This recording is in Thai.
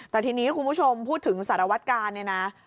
แต่ทีนี้คุณผู้ชมพูดถึงสารวัตกาลเนี่ยนะ